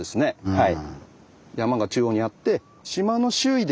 はい。